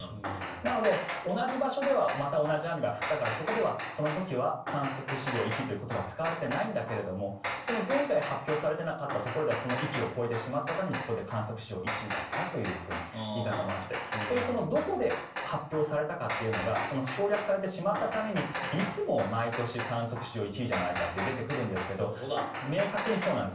なので、同じ場所ではまた同じ雨が降ったからそこではその時は観測史上１位という言葉は使われていないけど前回発表されてなかったところではその域を越えてしまったためにここで観測史上１位だったという言い方もあってどこで発表されたかというのが省略されてしまったためにいつも毎年観測史上１位じゃないかって出てくるんですが明確にそうなんです。